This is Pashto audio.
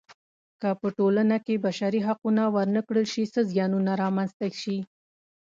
که په ټولنه کې بشري حقونه ورنه کړل شي څه زیانونه رامنځته شي.